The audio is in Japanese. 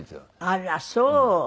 あらそう。